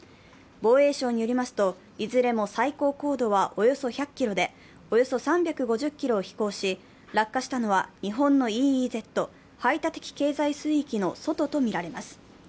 防衛省によりますと、いずれも最高高度はおよそ１００ｋｍでおよそ３５０ｋｍを飛行し、落下したのは日本のＥＥＺ＝排他的経済水域の外とみられます。